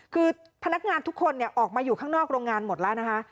คือพนักงานทุกคนออกมาอยู่ข้างนอกโรงงานหมดแล้วนะคะ